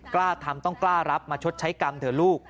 กล้าทำต้องกล้ารับมาชดใช้กรรมเถอะลูก